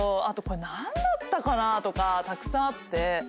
あとこれ何だったかな？とかたくさんあって。